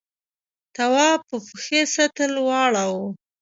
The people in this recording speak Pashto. تواب په پښې سطل واړاوه.